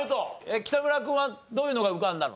北村君はどういうのが浮かんだの？